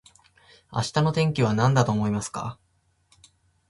明日の天気はなんだと思いますか